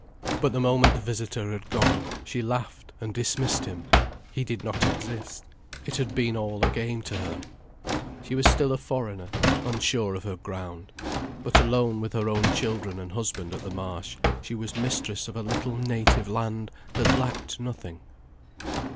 But the moment the visitor had gone, she laughed and dismissed him, he did not exist. It had been all a game to her. She was still a foreigner, unsure of her ground. But alone with her own children and husband at the Marsh, she was mistress of a little native land that lacked nothing.